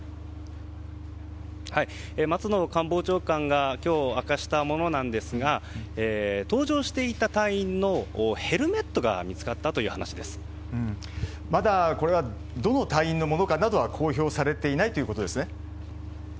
松野官房長官が今日明かしたものなんですが搭乗していた隊員のヘルメットがまだ、どの隊員のものかなどは公表されていないということですね。